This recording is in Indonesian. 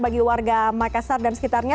bagi warga makassar dan sekitarnya